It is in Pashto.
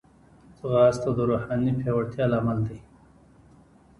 ځغاسته د روحاني پیاوړتیا لامل دی